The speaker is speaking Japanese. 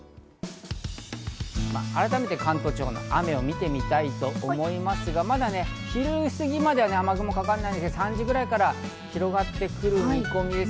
改めて関東地方の雨を見てみたいと思いますが、また昼過ぎまでは雨雲がかかってないですが、３時くらいから広がってくる見込みです。